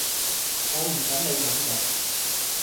我唔準你噉講